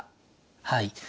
はい。